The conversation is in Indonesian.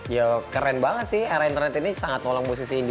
ya keren banget sih era internet ini sangat nolong musisi indi